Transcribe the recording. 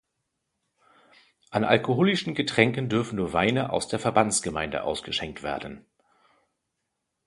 An alkoholischen Getränken dürfen nur Weine aus der Verbandsgemeinde ausgeschenkt werden.